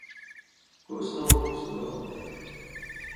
کوستؤں سُگاؤ وطن تُھو۔